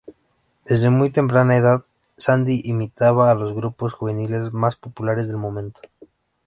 Desde muy temprana edad, Sandy imitaba a los grupos juveniles más populares del momento.